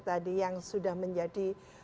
tadi yang sudah menjadi